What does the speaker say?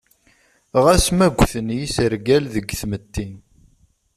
Ɣas ma ugten yisergal deg tmetti.